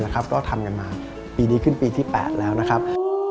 ก็ทำกันมาปีนี้ขึ้นปีที่๘แล้วนะครับ